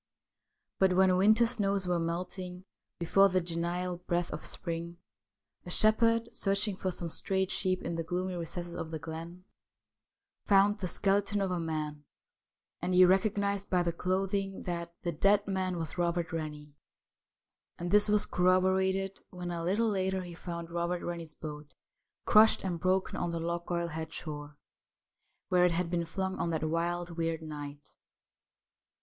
But when winter snows were melting before the genial breath of spring, a shepherd, searching for some strayed sheep in the gloomy recesses of the glen, found the skeleton of a man, and he recognised by the clothing that the dead man was Robert Rennie, and this was corroborated when a little later he found Robert Rennie's boat crushed and broken on the Lochgoilhead shore, where it had been flung on that wild, weird night.